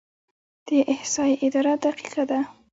د احصایې اداره دقیقه ده؟